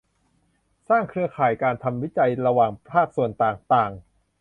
สร้างเครือข่ายการทำวิจัยระหว่างภาคส่วนต่างต่าง